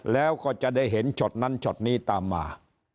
แล้วก็จะได้เห็นช็อตนั้นช็อตนี้ตามมา